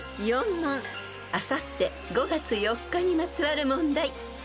［あさって５月４日にまつわる問題］